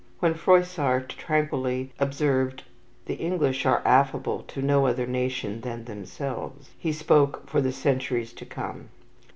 When Froissart tranquilly observed, "The English are affable to no other nation than themselves," he spoke for the centuries to come.